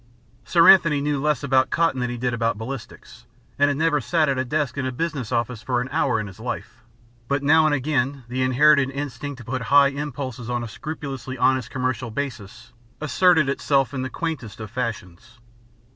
Sir Anthony knew less about cotton than he did about ballistics and had never sat at a desk in a business office for an hour in his life; but now and again the inherited instinct to put high impulses on a scrupulously honest commercial basis asserted itself in the quaintest of fashions.